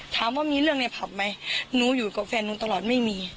ถามว่ามีเรื่องในผับไหมหนูอยู่กับแฟนหนูตลอดไม่มี